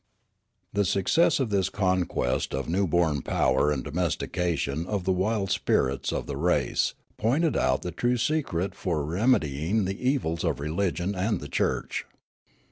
The success of this conquest of a new born pow^r and domestication of the wild spirits of the race pointed out the true secret for remedying the evils of religion and the church.